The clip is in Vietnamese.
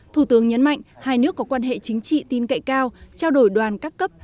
thủ tướng nhấn mạnh hai nước có quan hệ chính trị tin cậy cao trao đổi đoàn các cấp